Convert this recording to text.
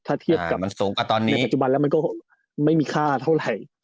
ถ้าเทียบกับในปัจจุบันแล้วมันก็ไม่มีค่าเท่าไหร่